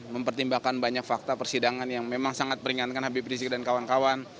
mempertimbangkan banyak fakta persidangan yang memang sangat meringankan habib rizik dan kawan kawan